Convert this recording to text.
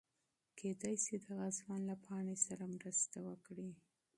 کېدی شي دغه ځوان له پاڼې سره مرسته وکړي.